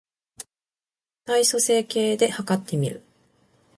体組成計で計ってみる